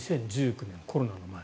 ２０１９年、コロナの前。